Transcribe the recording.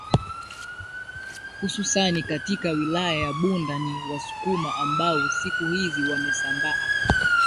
hususani katika wilaya ya Bunda ni Wasukuma ambao siku hizi wamesambaa